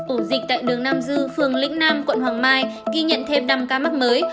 ổ dịch tại đường nam dư phường lĩnh nam quận hoàng mai ghi nhận thêm năm ca mắc mới